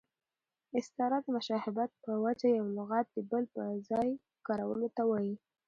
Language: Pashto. استعاره د مشابهت په وجه یو لغت د بل پر ځای کارولو ته وايي.